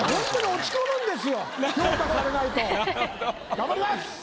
頑張ります！